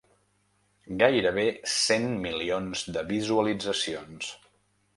Gairebé cent milions de visualitzacions.